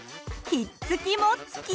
「ひっつきもっつき」。